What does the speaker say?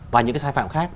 và những cái sai phạm khác